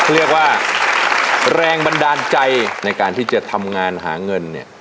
เขาเรียกว่าแรงบันดาลใจในการที่จะทำงานหาเงินเนี่ย